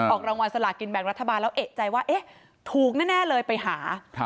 ออกรางวัลสลากินแบ่งรัฐบาลแล้วเอกใจว่าเอ๊ะถูกแน่เลยไปหา